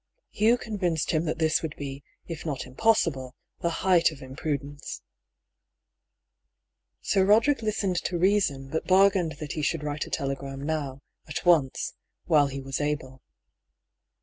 Hugh convinced him that this would be, if not im possible, the height of imprudence. ( PATE. 11 Sir Roderick listened to reason, but bargained that he should write a telegram now, at once, while he was able.